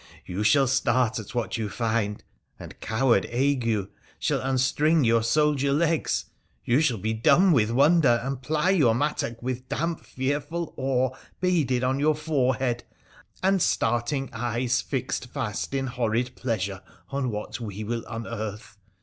you shall start at what you find, and coward ague shall unstring your soldier legs, you shall be dumb with wonder, and ply your mattock with damp, fearful awe beaded on your forehead, and starting eyes fixed fast in horrid pleasure on what we will unearth.